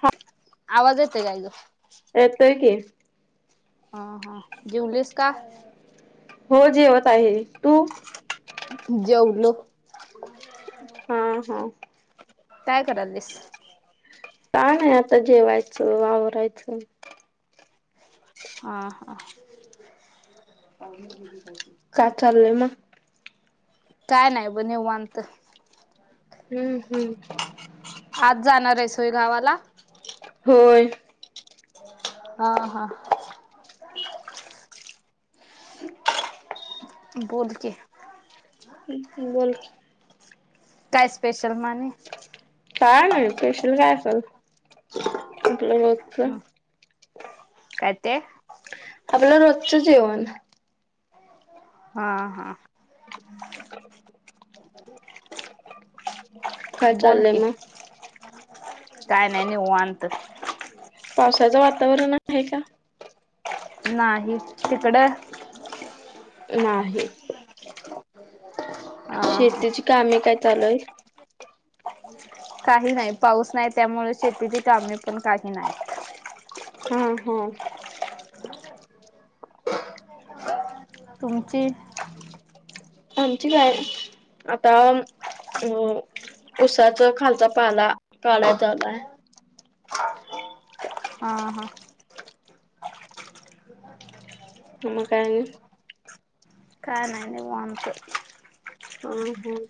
हात आवाज येतोय काय ग? येतो आहे की. ह हा जेवलीस का? हो जेवत आहे, तू? जेवलो. हा हा काय करायलीस. का नाही आता जेवायचं आवरायचं. हा हा. काय चाललंय मग. काय नाही ब निवांत. हम्म हम्म आज जाणार आहेस होय गावाला. होय. हा हा बोल की ह बोल काय स्पेशल म आणि काय नाही स्पेशल काय असल रोजचं. काय ते आपलं रोजच जेवण. हा हा. [unintelligible] काय बोल की चाललंय मग, काय नाही निवांत. पावसाचं वातावरण आहे का? नाही तिकडं? नाही. हा हा. शेतीची कामे काय चालूय. काही नाही पाऊस नाही, त्यामुळे शेतीची कामे पण काही नाही. हा हा. तुमची. आमची गय आता अं उसाच खालचा पाला काढाय चालू आहे. हा हा मग काय आणि काय नाही निवांत. हम हम्!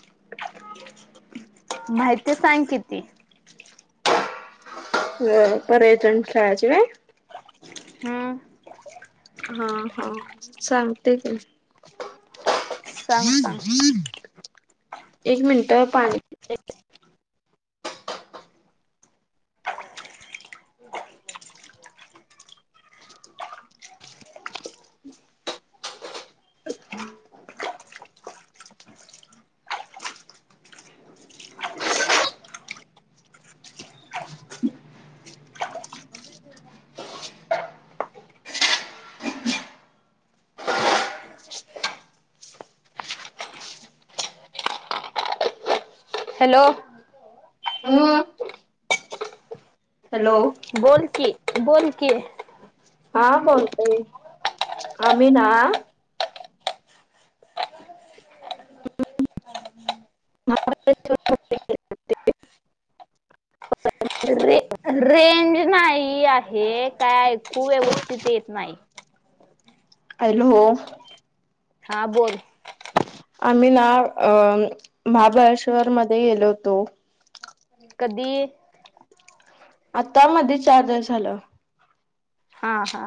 [unintelligible] माहिती सांग किती. ह परयटन काज होय. हम्म हा हा सांगते की सांग सांग. एक मिनट पाणी हॅलो! हॅलो! बोल कि, बोल कि हा बोलते आम्ही ना. [inaudible] रे [unintelligible] रेंज नाही आहे काय ऐकू व्यवस्थित येत नाही. हॅलो. हा बोल. आम्ही ना अ महाबळेश्वर मध्ये गेलो होतो. कधी. आता मध्ये चार दिवस झालं हा हा.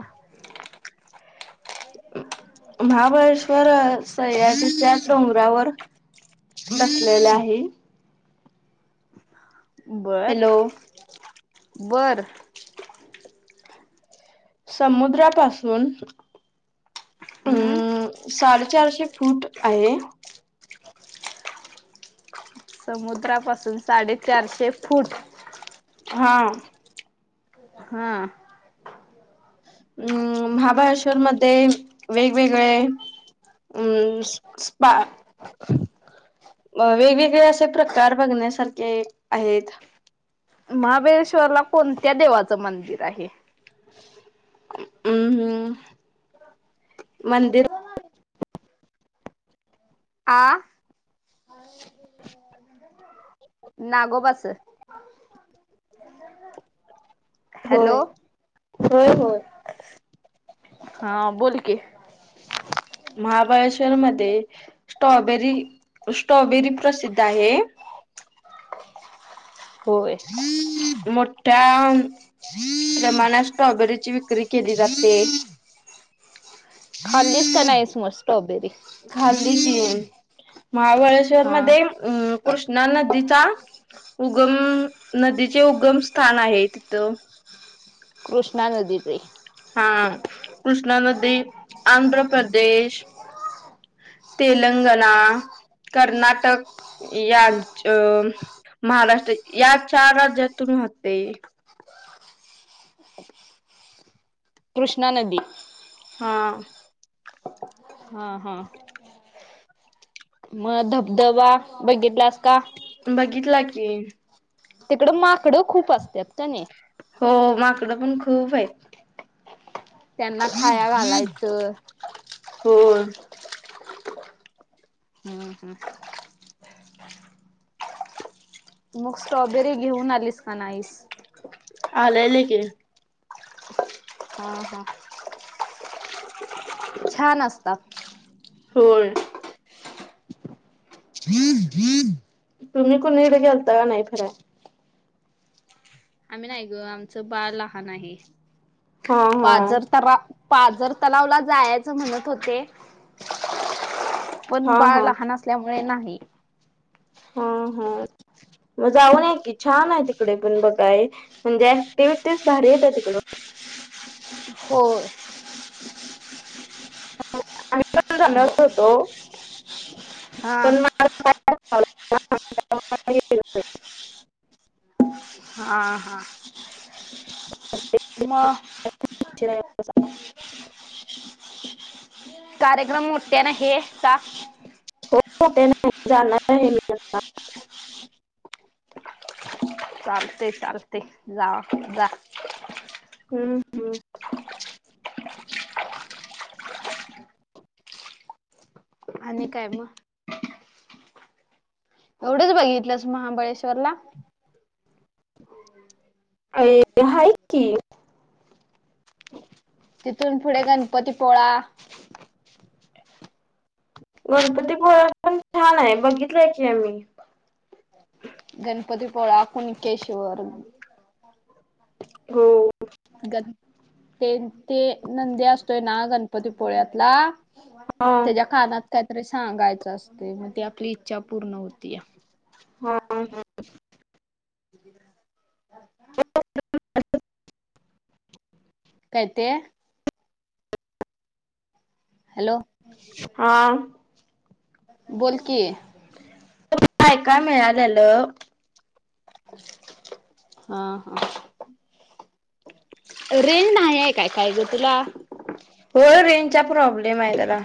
महाबळेश्वर स्याच्या डोंगरावर. कसलेले आहे. बर हॅलो बर. समुद्रापासून. हम्म अम् साडेचारशे फूट आहे. समुद्रापासून साडेचारशे फूट. हा. हम. हम् महाबाळेश्वर मध्ये वेगवेगळे हम् स्पा अ वेगवेगळे असे प्रकार बघण्यासारखे आहेत. महाबळेश्वरला कोणत्या देवाचं मंदिर आहे. हम् हम् मंदिर. आ ह नागोबाच. हॅलो होय होय होय. हा बोलकी. महाबळेश्वर मध्ये स्ट्रॉबेरी स्ट्रॉबेरी प्रसिद्ध आहे. होय. मोठ्या प्रमाणात स्ट्रॉबेरीची विक्री केली जाते. [inaudible] खाल्लीच का नाहीस म स्ट्रॉबेरी. खाल्ली की महाबळेश्वर हा मध्ये कृष्ण ना नदीचा उगम नदीचे उगम स्थान आहे तिथं कृष्णा नदी चे, हा कृष्णा नदी आंध्र प्रदेश, तेलंगणा कर्नाटक यांच अं महाराष्ट्र या चार राज्यात तुम्ही होते. कृष्णा नदी. हा. हा हा. मग धबधबा बघितला अस. बघितला की. तिकड माकडं खूप असत्यात कानाई हो माकडं पण खूप आहेत. त्यांना खाया घालायचं. होर हम्म हम्म मग स्ट्रॉबेरी घेऊन आलीस का नाहीस. आलेली की हा हा छान असतात होय तुम्ही कुणीकडे गेलता का नाही फिरायला आम्ही नाही ग आमचं बाळ लहान आहे हा हा पाझर तरा पाजर तलावला जायचं म्हणत होते पण हा बाळ हा लहान असल्यामुळे नाही हा हम मग जाऊनय की छान आहे तिकडे पण बघाय म्हणजे ऍक्टिव्हटीस भारी येत तिकडे हो आम्ही पण जाणार होतो हा पण [inaudible] हा हा मग [inaudible] कार्यक्रम मोठ्यान आहे का [inaudible] चालते चालते जा जा हम् हम् [inaudible] आणि काय मग एवढंच बघितलंस महाबळेश्वरला ए हाय की तिथून पुढे गणपतीपोळा [unintelligible] गणपतीपुळा पण छान आहे बघितलंय की आम्ही गणपतीपोळा कूनकेशवर हो ग ते ते नंदे असतोय ना गणपतीपोळ्यातला हा त्याच्या कानात काहीतरी सांगायचं असते मग ती आपली इच्छा पूर्ण होती हा [unintelligible] [unintelligible] [inaudible] [inaudible] काय ते हॅलो हा बोलकी य काय काय मिळाल्यालं हा हा रेन नाही आहे काय काय ग तुला होय रेंजचा प्रॉब्लेम आहे जरा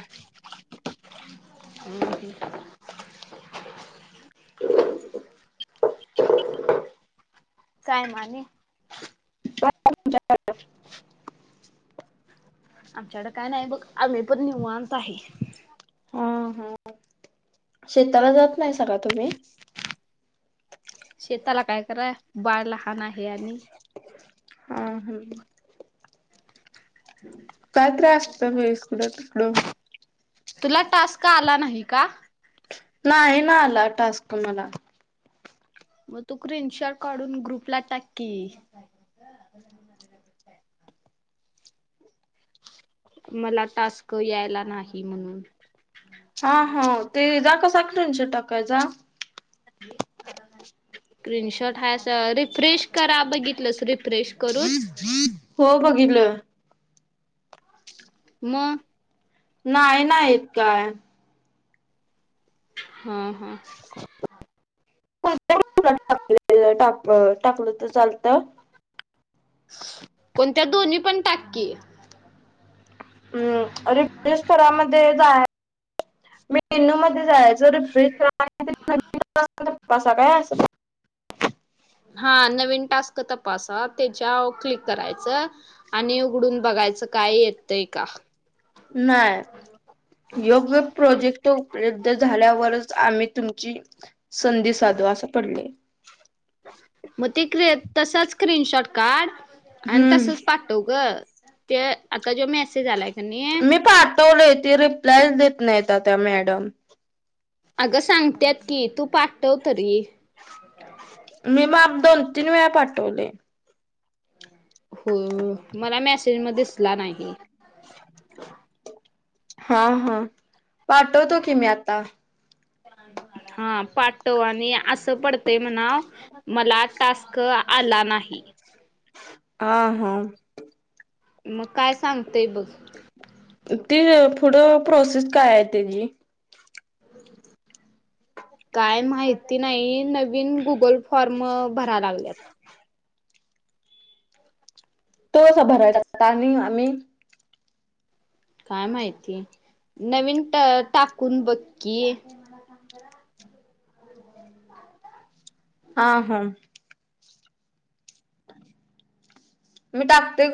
हम् ह सायमाने [inaudible] आमच्याकड काय नाही बघ आम्ही पण निवांत आहे हा हा शेताला जात नाहीसा का तुम्ही शेताला काय कराय बाळ लहान आहे आणि हा हम काय तर असते की इकडे तिकडे तुला टास्क नाही ना आला टास्क मला. मग तू क्रीन शर्ट काढून ग्रुपला टाक की. [inaudible] मला टास्क यायला नाही म्हणून. हा हा त्याचा कसा स्क्रीन शॉट टाकायचा? अ [inaudible] स्क्रीनशॉट हा रिफ्रेश करा बघितलंस रिफ्रेश करून. हो बघितलं. मग? नाही नाही इत काय. हम हां. टा टा टाकलं तर चालत. कोणत्या दोन्ही पण टाक की. हम्म रिफ्लेश करामध्ये जा मेनू मध्ये जायचं रिफ्रेश [inaudible] [inaudible] असा काय अस हा नवीन टास्क तपासा त्याच्या क्लिक करायचं आणि उघडून बघाय काही येतंय का? नाही योग्य प्रोजेक्ट उपलब्ध झाल्यावरच. आम्ही तुमची संधी साधू असं पडलय. मग ते क तसच स्क्रीनशॉट काढ आणि तसच हम्म पाठव ग. ते आता जो मेसेज आलाय काणी. हवले त रिप्लाय देत नाहीत त्या मॅडम. अगं सांगत्यात की तू पाठव तरी. मी माप दोन-तीन वेळा पाठवले. हो मला मेसेज म दिसला नाही. हा हा पाठवतो की मी आता. हा पाठव आणि असं पडतय म्हणा मला टास्क आला नाही. हा हा. मग काय सांग? ती पुुढं प्रोसेस काय आहे त्याची? काय माहिती नाही नवीन गुगल फॉर्म. भरा लागल्यात. तो कसं भरायचा आता आम्ही? काय माहिती नवीन टाकून बक्की. हा हा. मी टाकते.